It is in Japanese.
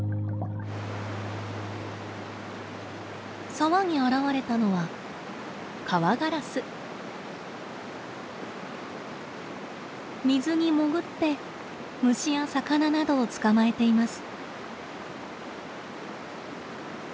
沢に現れたのは水に潜って虫や魚などを捕まえています。